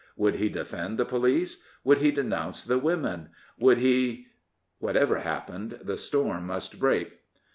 Would he defend the police? Would he denounce the women ? Would he ? Whatever happened, the storm must break.